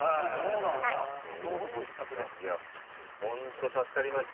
ホント助かりました。